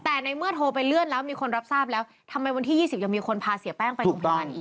แต่ในเมื่อโทรไปเลื่อนแล้วมีคนรับทราบแล้วทำไมวันที่๒๐ยังมีคนพาเสียแป้งไปโรงพยาบาลอีก